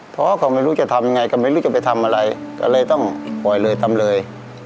เพราะเขาไม่รู้จะทำยังไงก็ไม่รู้จะไปทำอะไรก็เลยต้องปล่อยเลยทำเลย